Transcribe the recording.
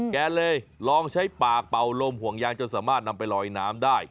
แกเลยลองใช้ปากเป่าลมห่วงยางจนสามารถนำไปลอยน้ำได้